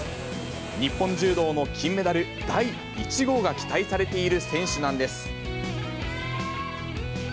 日本柔道の金メダル第１号が期待されている選手なんです。